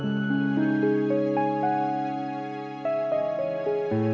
kayanya apa opa devin ngerti